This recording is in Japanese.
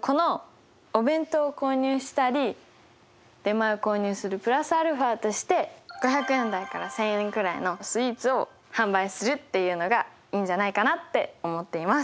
このお弁当を購入したり出前を購入するプラスアルファとして５００円台から１，０００円くらいのスイーツを販売するっていうのがいいんじゃないかなって思っています。